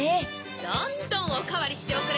・どんどんおかわりしておくれ！